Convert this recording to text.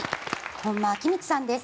本間昭光さんです。